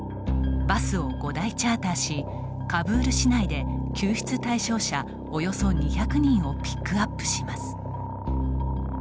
バスを５台チャーターしカブール市内で救出対象者およそ２００人をピックアップします。